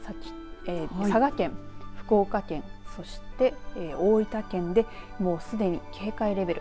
佐賀県、福岡県そして、大分県ですでに警戒レベル